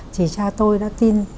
thì cha tôi đã tin